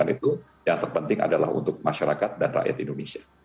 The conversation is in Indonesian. itu yang terpenting adalah untuk masyarakat dan rakyat indonesia